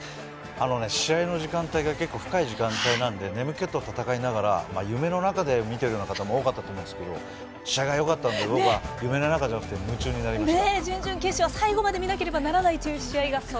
試合の時間帯が結構深い時間帯なので眠気と戦いながら夢の中で戦っている方も多かったと思うんですが試合がよかったので、僕は夢の中じゃなくて夢中になりました。